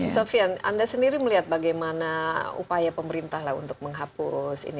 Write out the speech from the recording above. sofian anda sendiri melihat bagaimana upaya pemerintah untuk menghapus ini